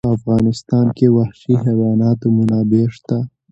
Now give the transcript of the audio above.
په افغانستان کې د وحشي حیواناتو منابع شته.